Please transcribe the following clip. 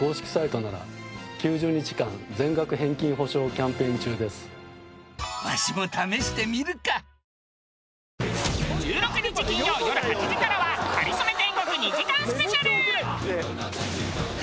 １６日金曜よる８時からは『かりそめ天国』２時間スペシャル！